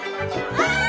ああ！